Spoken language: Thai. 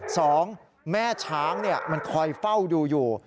สองแม่ช้างมันคอยเฝ้าดูอยู่